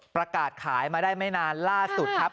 ประกาศขายมาได้ไม่นานล่าสุดครับ